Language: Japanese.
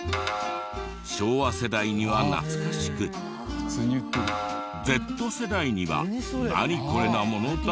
昭和世代には懐かしくＺ世代には「ナニコレ？」なものだらけ。